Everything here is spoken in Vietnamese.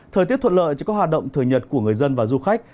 thời tiết thuận lợi cho các hoạt động thời nhật của người dân và du khách